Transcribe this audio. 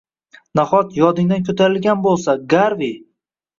Nahot, yodingdan ko`tarilgan bo`lsa, Garvi